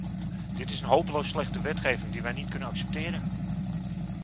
Dit is een hopeloos slechte wetgeving die wij niet kunnen accepteren.